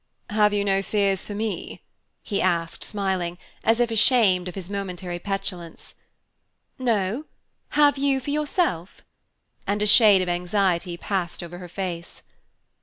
"Have you no fears for me?" he asked smiling, as if ashamed of his momentary petulance. "No, have you for yourself?" And a shade of anxiety passed over her face.